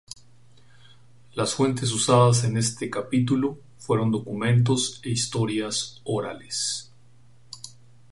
Las fuentes usadas en este capítulo fueron documentos e historias orales.